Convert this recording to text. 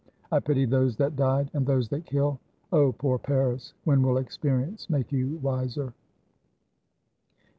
I pity those that died, and those that kill! Oh! poor Paris, when will experience make you wiser?